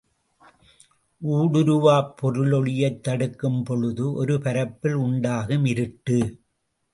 ஊடுருவாப் பொருள் ஒளியைத் தடுக்கும் பொழுது ஒரு பரப்பில் உண்டாகும் இருட்டு.